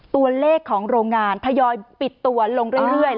ตัวเลขของโรงงานทยอยปิดตัวลงเรื่อย